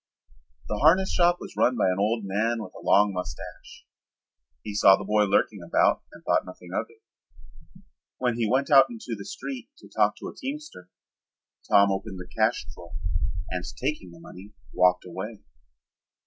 The harness shop was run by an old man with a long mustache. He saw the boy lurking about and thought nothing of it. When he went out into the street to talk to a teamster Tom opened the cash drawer and taking the money walked away.